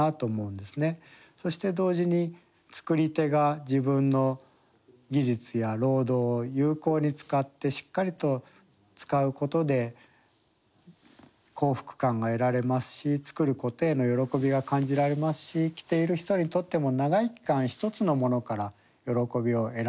そして同時に作り手が自分の技術や労働を有効に使ってしっかりと使うことで幸福感が得られますし作ることへの喜びが感じられますし着ている人にとっても長い期間一つのものから喜びを得られる。